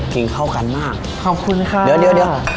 กินเข้ากันมากขอบคุณค่ะเดี๋ยวเดี๋ยว